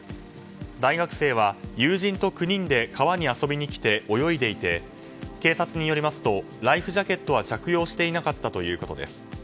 大学生は友人と９人で川に遊びに来て泳いでいて警察によりますとライフジャケットは着用していなかったということです。